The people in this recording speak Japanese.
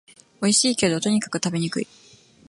おいしいけど、とにかく食べにくい